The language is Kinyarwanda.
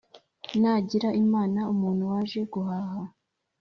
"Nagira Imana, umuntu waje guhaha,